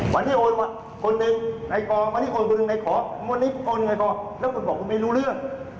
วันที่โอน